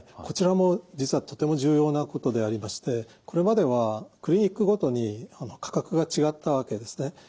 こちらも実はとても重要なことでありましてこれまではクリニックごとに価格が違ったわけですね。